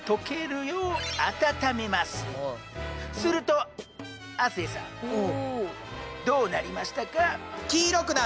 すると亜生さんどうなりましたか？